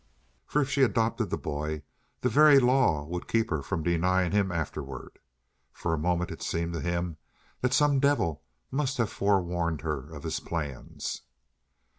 For if she adopted the boy, the very law would keep her from denying him afterward. For a moment it seemed to him that some devil must have forewarned her of his plans.